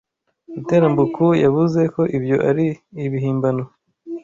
Ruterambuku yavuze ko ibyo ari ibihimbano